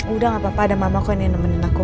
udah nggak papa ada mamah kok yang nemenin aku